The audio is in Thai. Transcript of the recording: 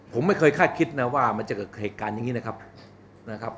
ผมไม่เคยคาดคิดนะว่ามันจะเกิดเหตุการณ์อย่างนี้นะครับนะครับ